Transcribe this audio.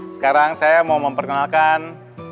sekarang saya mau memperkenalkan